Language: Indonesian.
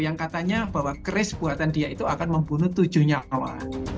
yang katanya bahwa keris buatan dia itu akan membunuh tujuh nyawa